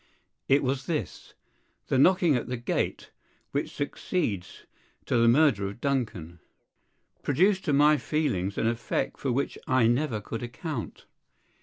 It was this: the knocking at the gate, which succeeds to the murder of Duncan, produced to my feelings an effect for which I never could account.